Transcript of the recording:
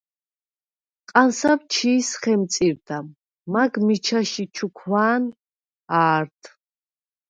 ყანსავ ჩი̄ს ხემწირდა, მაგ მიჩა შიჩუქვა̄ნ ა̄რდ.